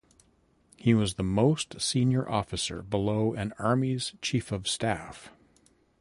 He was the most senior officer below an Army's Chief of Staff.